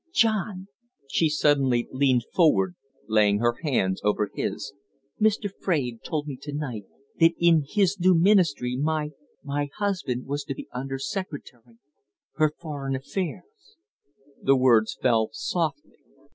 John " She suddenly leaned forward, laying her hands over his. "Mr. Fraide told me to night that in his new ministry my my husband was to be Under Secretary for Foreign Affairs!" The words fell softly.